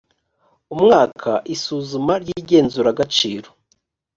umwaka isuzuma ry igenzuragaciro